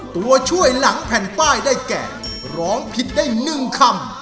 ตัวช่วยหลังแผ่นป้ายได้แก่ร้องผิดได้๑คำ